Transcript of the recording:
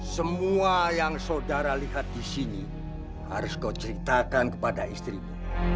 semua yang saudara lihat di sini harus kau ceritakan kepada istrimu